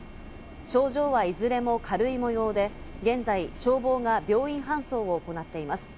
症状はいずれも軽い模様で、現在、消防が病院搬送を行っています。